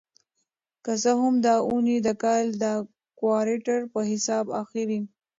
که څه هم دا اونۍ د کال د کوارټر په حساب اخېری